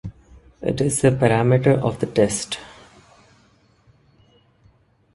It is a parameter of the test.